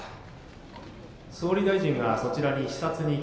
「総理大臣がそちらに視察に行きます」。